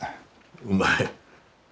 うまい。